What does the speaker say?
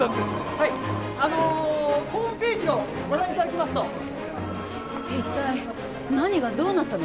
はいあのホームページをご覧いただきますと一体何がどうなったの？